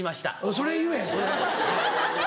それ言えそれ。